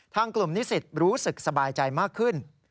ทางกลุ่มนิสิตรู้สึกสบายใจมากขึ้น